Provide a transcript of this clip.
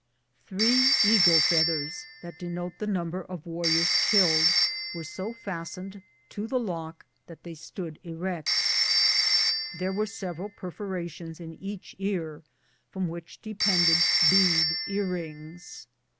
Three eagle feathers, that denote the number of warriors killed, were so fastened to the lock that they stood erect. There were several perforations in each ear from which depended bead ear rings.